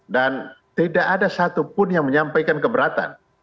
dan tidak ada satupun yang menyampaikan keberatan